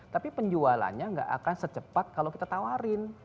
tapi penjualannya nggak akan secepat kalau kita tawarin